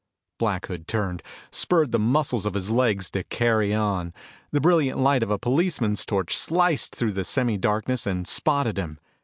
Black Hood turned, spurred the muscles of his legs to carry on. The brilliant light of a policeman's torch sliced through the semi darkness and spotted him.